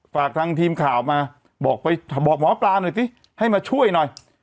ฝากทางทีมข่าวมาบอกไปบอกหมอปลาหน่อยสิให้มาช่วยหน่อย